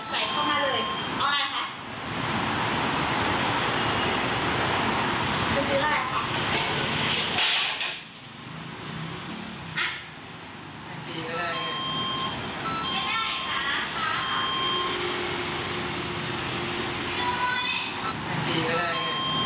ใส่เข้ามาเลย